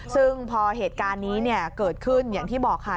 ซึ่งพอเหตุการณ์นี้เกิดขึ้นอย่างที่บอกค่ะ